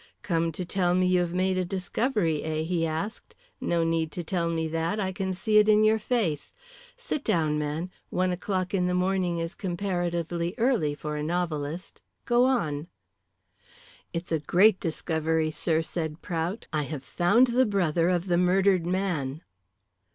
"Come to tell me you have made a discovery, eh?" he asked. "No need to tell me that, I can see it in your face. Sit down man one o'clock in the morning is comparatively early for a novelist. Go on." "It's a great discovery, sir," said Prout. "I have found the brother of the murdered man."